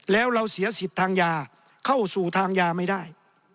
แล้วเราเสียสิทธิ์ทางยาเข้าสู่ทางยาไม่ได้